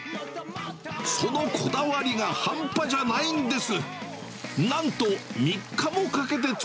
そのこだわりが半端じゃないんです。